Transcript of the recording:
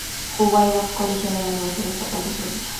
Jugó al golf colegial en la Universidad Estatal de Florida.